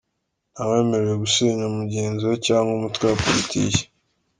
Ntawemerewe gusenya mugenzi we cyangwa umutwe wa Politiki.